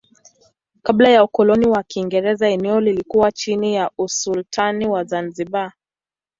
Kabla ya ukoloni wa Kiingereza eneo lilikuwa chini ya usultani wa Zanzibar.